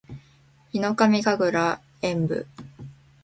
ヒノカミ神楽炎舞（ひのかみかぐらえんぶ）